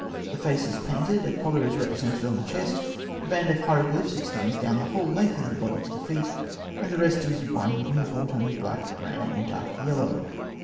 The face is painted; a collar is represented on the chest, a band of hieroglyphs extends down the whole length of the body to the feet, and the rest is in one uniform tone of black, brown, or dark yellow.